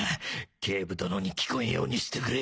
警部殿に聞こえんようにしてくれ！